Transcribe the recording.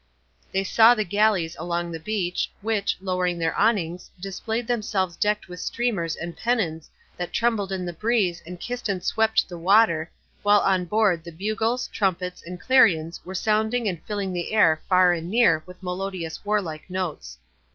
They saw the galleys along the beach, which, lowering their awnings, displayed themselves decked with streamers and pennons that trembled in the breeze and kissed and swept the water, while on board the bugles, trumpets, and clarions were sounding and filling the air far and near with melodious warlike notes.